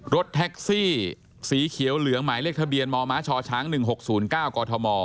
รถแท็กซี่สีเขียวเหลืองหมายเลขทะเบียนมมชช๑๖๐๙กธม